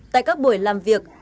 tại các buổi làm việc